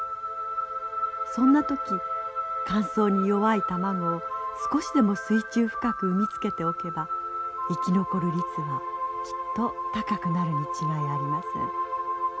そんな時乾燥に弱い卵を少しでも水中深く産み付けておけば生き残る率はきっと高くなるに違いありません。